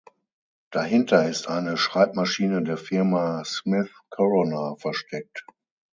Dahinter ist eine Schreibmaschine der Firma „Smith Corona“ versteckt.